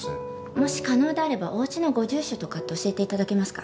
もし可能であればお家のご住所とかって教えて頂けますか？